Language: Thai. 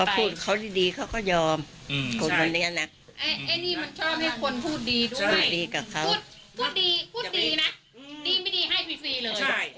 พูดดีนะดีไม่ดีให้ฟรีเลย